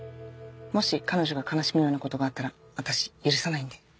もし彼女が悲しむようなことがあったら私許さないんで。